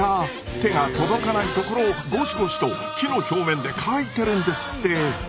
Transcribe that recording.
手が届かないところをゴシゴシと木の表面でかいてるんですって。